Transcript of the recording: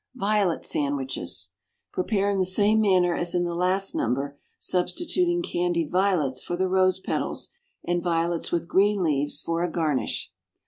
=Violet Sandwiches.= Prepare in the same manner as in the last number, substituting candied violets for the rose petals, and violets with green leaves for a garnish.